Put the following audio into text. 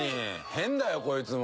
変だよこいつも。